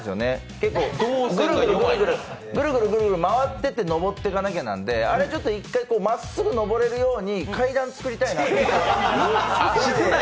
結構ぐるぐるぐるぐる回ってて上っていかなきゃなので、あれちょっと一回まっすぐ上れるように階段作りたいなと思います。